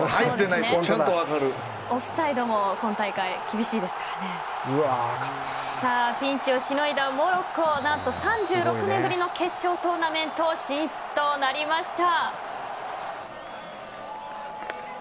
オフサイドもさあピンチをしのいだモロッコ何と３６年ぶりの決勝トーナメント進出となりました。